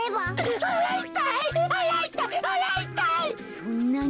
そんなに？